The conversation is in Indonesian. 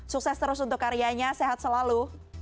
sukses terus untuk karyanya sehat selalu